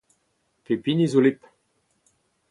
Pep hini zo lip.